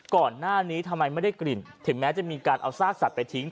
ก่อนหน้านี้ทำไมไม่ได้กลิ่นถึงแม้จะมีการเอาซากสัตว์ไปทิ้ง